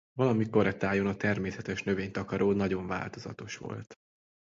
Valamikor e tájon a természetes növénytakaró nagyon változatos volt.